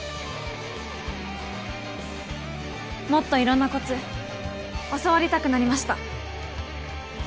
もっといろんなコツ教わりたくなりました。